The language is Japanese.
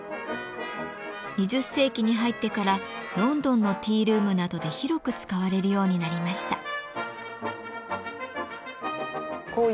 ２０世紀に入ってからロンドンのティールームなどで広く使われるようになりました。